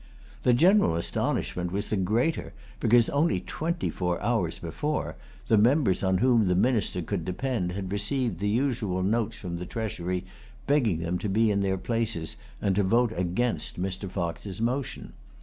The general astonishment was the greater because, only twenty four hours before, the members on whom the Minister could depend had received the usual notes from the Treasury, begging them to be in their places and to vote against Mr. Fox's motion.